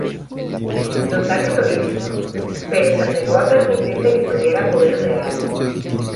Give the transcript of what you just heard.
Lotario lo hizo, pero se negó a permitirle que tuviera poder real.